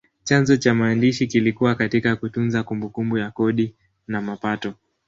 Chanzo cha maandishi kilikuwa katika kutunza kumbukumbu ya kodi na mapato.